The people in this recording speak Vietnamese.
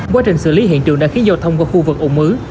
quá trình xử lý hiện trường đã khiến giao thông qua khu vực ủng ứ